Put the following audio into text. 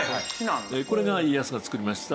これが家康が造りました